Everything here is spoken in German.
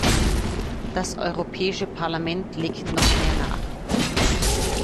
Das Europäische Parlament legt noch mehr nach.